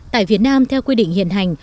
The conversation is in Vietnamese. tại việt nam theo quy định hiện hành